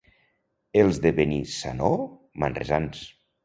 Els de Benissanó, manresans.